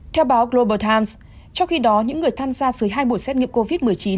theo báo global times trong khi đó những người tham gia dưới hai buổi xét nghiệm covid một mươi chín